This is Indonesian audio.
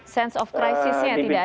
sense of crisisnya tidak ada